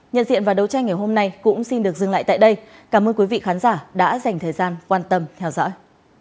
nhận diện và đấu tranh ngày hôm nay cũng xin được dừng lại tại đây cảm ơn quý vị khán giả đã dành thời gian quan tâm theo dõi